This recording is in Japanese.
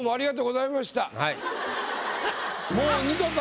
はい。